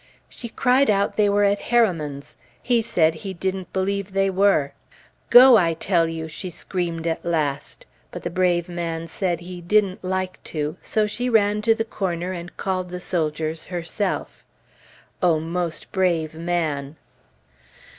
She cried out they were at Heroman's; he said he didn't believe they were. "Go! I tell you!" she screamed at last; but the brave man said he didn't like to, so she ran to the corner and called the soldiers herself. O most brave man!